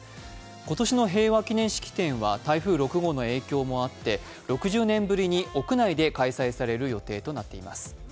今年の平和祈念式典は台風６号の影響もあって、６０年ぶりに屋内で開催される予定となっています。